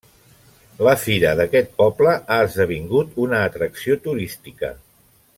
La fira d'aquest poble ha esdevingut una atracció turística.